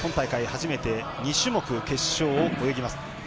初めて２種目決勝を泳ぎます。